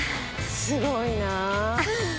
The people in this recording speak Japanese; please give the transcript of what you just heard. すごいなぁ。